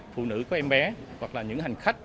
phụ nữ có em bé hoặc là những hành khách